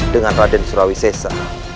dengan raden surawi sesa